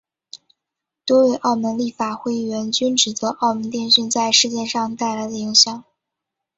多位澳门立法会议员均指责澳门电讯在事件上带来的影响。